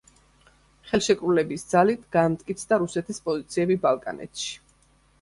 ხელშეკრულების ძალით განმტკიცდა რუსეთის პოზიციები ბალკანეთში.